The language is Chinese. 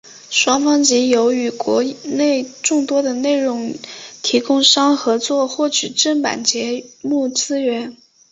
双方藉由与国内众多的内容提供商合作获取正版节目资源。